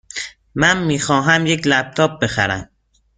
من می خواهم یک لپ تاپ بخرم.